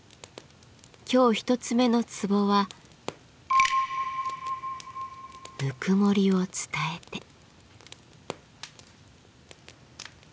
今日１つ目の壺は「ぬくもりを伝えて」。